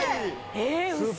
ええウソ！